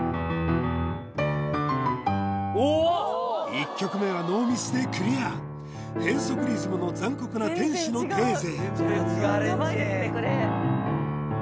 １曲目はノーミスでクリア変則リズムの「残酷な天使のテーゼ」